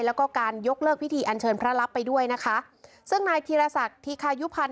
แล้วก็การยกเลิกพิธีอันเชิญพระรับไปด้วยนะคะซึ่งนายธีรศักดิ์ธิคายุพันธ